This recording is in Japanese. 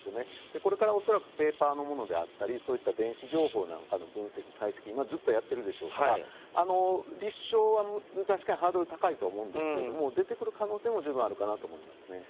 これから恐らくペーパーのものであったり電子情報なんかの分析・解析もずっとやってるでしょうから立証は確かにハードル高いと思うんですけど出てくる可能性も十分にあるかと思います。